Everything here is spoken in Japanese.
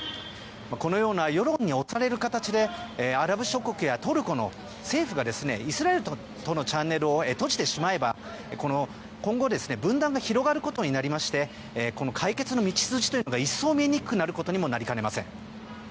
このような世論に押される形でアラブ諸国やトルコの政府がイスラエルとのチャンネルを閉じてしまえば今後、分断が広がることになりまして解決の道筋が一層見えにくくなることにもなりかねません。